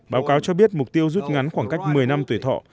báo cáo cho biết mục tiêu rút ngắn khoảng cách một mươi năm tuổi thọ